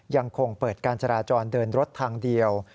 ยังคงเปิดการจราจรเดินรถทางเดียว